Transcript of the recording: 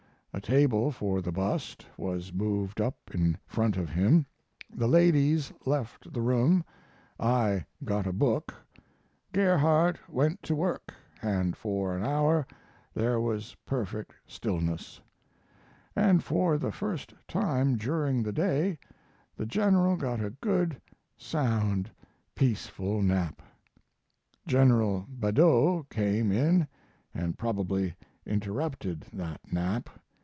A table for the bust was moved up in front of him; the ladies left the room; I got a book; Gerhardt went to work; and for an hour there was perfect stillness, and for the first time during the day the General got a good, sound, peaceful nap. General Badeau came in, and probably interrupted that nap.